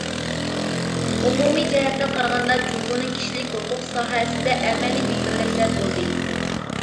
ئومۇمىي جەھەتتىن قارىغاندا، جۇڭگونىڭ كىشىلىك ھوقۇق ساھەسىدە ئەمەلىي ئىلگىرىلەشلەر بولدى.